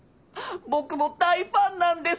僕も大ファンなんです！